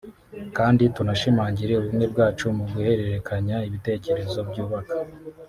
kandi tunashimangire ubumwe bwacu mu guhererekanya ibitekerezo byubaka